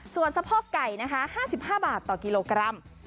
ส่วนสะโพกไก่นะคะ๕๕บาทต่อกิโลกรัม